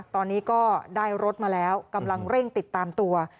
ตอนนี้ก็ได้รถมาแล้วกำลังเร่งติดตามตัว